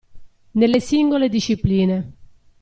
Nelle singole discipline.